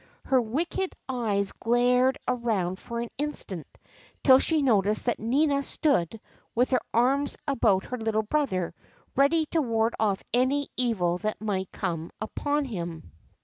Her wicked eyes glared around for an instant, till she noticed that Nina stood, witli her arms about her little brother, ready to ward off any evil that might come upon him.